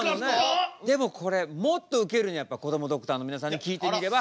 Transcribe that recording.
でもこれもっとウケるにはやっぱこどもドクターの皆さんに聞いてみれば。